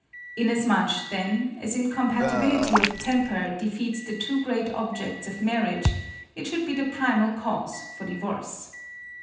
Inasmuch, then, as incompatibility of temper defeats the two great objects of marriage, it should be the primal cause for divorce.